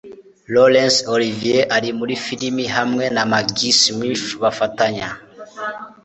Laurence Olivier ari muri film, hamwe na Maggie Smith bafatanya